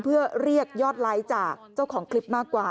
เพื่อเรียกยอดไลค์จากเจ้าของคลิปมากกว่า